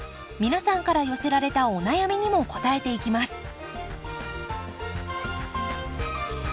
皆さんから寄せられたお悩みにも答えていきます。